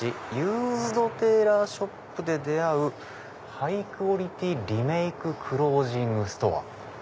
ユーズドテーラーショップで出会うハイクオリティリメイククロージングストア」。